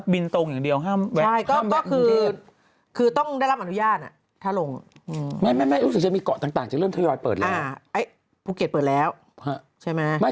สมมุติที่เกาะต่างเริ่มเปิดแล้วคุณแม้